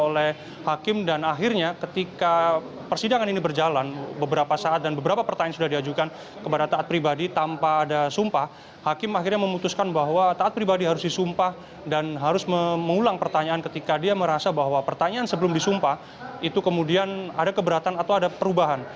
oleh hakim dan akhirnya ketika persidangan ini berjalan beberapa saat dan beberapa pertanyaan sudah diajukan kepada taat pribadi tanpa ada sumpah hakim akhirnya memutuskan bahwa taat pribadi harus disumpah dan harus mengulang pertanyaan ketika dia merasa bahwa pertanyaan sebelum disumpah itu kemudian ada keberatan atau ada perubahan